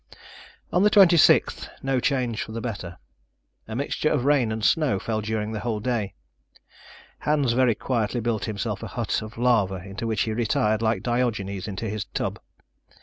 On the 26th no change for the better. A mixture of rain and snow fell during the whole day. Hans very quietly built himself a hut of lava into which he retired like Diogenes into his tub.